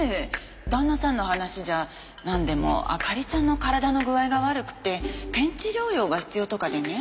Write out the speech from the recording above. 旦那さんの話じゃなんでも明里ちゃんの体の具合が悪くて転地療養が必要とかでね。